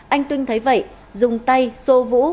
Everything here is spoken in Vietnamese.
anh tuynh thấy vậy dùng tay xô vũ